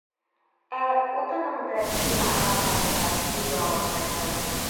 Ә утыныңды ниңә һатмайынса өйгә алып ҡайттың?